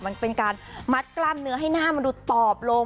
มันเป็นการมัดกล้ามเนื้อให้หน้ามันดูตอบลง